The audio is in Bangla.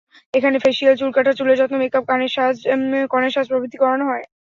এখানে ফেসিয়াল, চুল কাটা, চুলের যত্ন, মেকআপ, কনের সাজ প্রভৃতি করানো হয়।